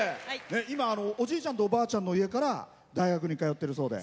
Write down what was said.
今、おじいちゃんとおばあちゃんの家から大学に通っているそうで。